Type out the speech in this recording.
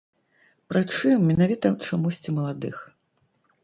Прычым, менавіта чамусьці маладых.